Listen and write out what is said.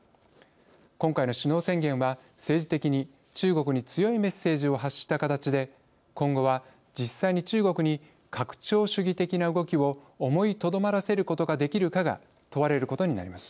今回の首脳宣言は、政治的に中国に強いメッセージを発した形で今後は、実際に、中国に拡張主義的な動きを思いとどまらせることができるかが問われることになります。